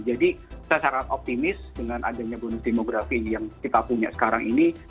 jadi saya sangat optimis dengan adanya bonus demografi yang kita punya sekarang ini